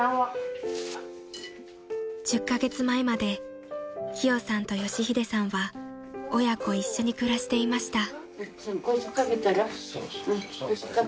［１０カ月前までキヨさんと佳秀さんは親子一緒に暮らしていました］